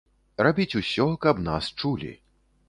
Рабіць усё, каб нас чулі.